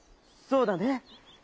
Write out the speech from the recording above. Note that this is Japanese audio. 「そうだね。